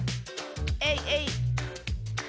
えいえいっ！